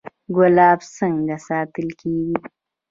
ګلاب څنګه ساتل کیږي؟